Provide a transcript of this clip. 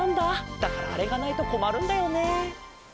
だからあれがないとこまるんだよね。